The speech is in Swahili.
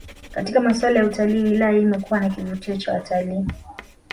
Katika maswala ya utalii wilaya hii imekuwa na kivutio cha watalii